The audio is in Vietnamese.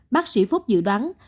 bác sĩ phúc dự đoán